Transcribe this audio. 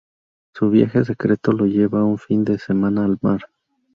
Su viaje secreto lo lleva un fin de semana al mar.